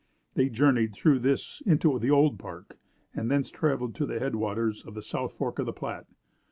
They journeyed through this into the Old Park, and thence traveled to the head waters of the south fork of the Platte.